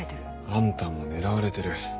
あんたも狙われてる。